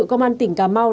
công an tỉnh cà mau